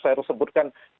saya harus sebutkan